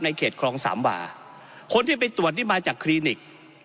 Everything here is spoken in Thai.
เขตคลองสามวาคนที่ไปตรวจนี่มาจากคลินิก